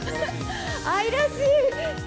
愛らしい。